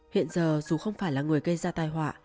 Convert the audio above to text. hiện giờ dù không phải là người gây ra tai họa